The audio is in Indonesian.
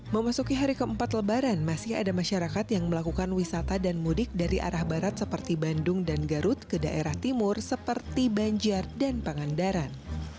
memasuki hari keempat lebaran masih ada masyarakat yang melakukan wisata dan mudik dari arah barat seperti bandung dan garut ke daerah timur seperti banjar dan pangandaran